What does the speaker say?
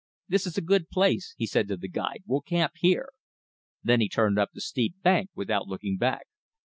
"This is a good place," he said to the guide, "we'll camp here." Then he turned up the steep bank without looking back.